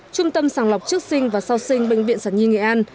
trung tâm sàng lọc trước sinh và sau sinh bệnh viện sản nhi nghệ an